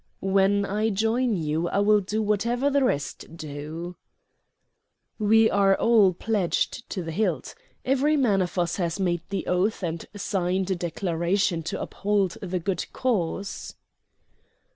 "When I join you, I will do whatever the rest do." "We are all pledged to the hilt. Every man of us has made the oath and signed a declaration to uphold the good cause."